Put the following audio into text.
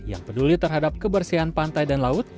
yang peduli terhadap kebersihan pantai dan laut